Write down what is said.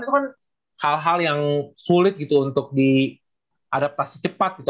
itu kan hal hal yang sulit gitu untuk diadaptasi cepat gitu